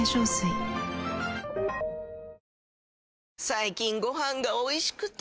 最近ご飯がおいしくて！